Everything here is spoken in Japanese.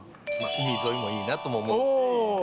海沿いもいいなとも思うし。